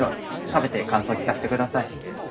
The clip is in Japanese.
食べて感想聞かせてください。